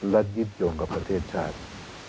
และยึดโยงกับประเทศชาติ